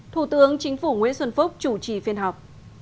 thủ tướng chính phủ nguyễn xuân phúc chủ trì phiên họp